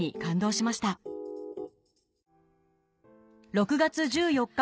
６月１４日